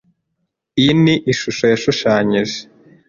Iyi ni ishusho yashushanyije.